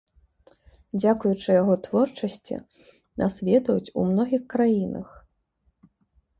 Дзякуючы яго творчасці нас ведаюць у многіх краінах.